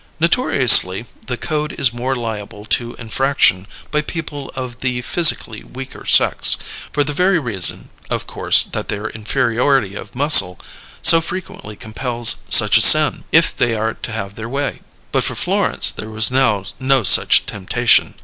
Notoriously, the code is more liable to infraction by people of the physically weaker sex, for the very reason, of course, that their inferiority of muscle so frequently compels such a sin, if they are to have their way. But for Florence there was now no such temptation.